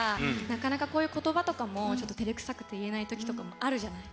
なかなかこういう言葉とかもちょっとてれくさくて言えないときとかもあるじゃない。